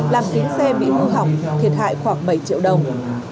làm kính xe bị hư hỏng thiệt hại khoảng bảy triệu đồng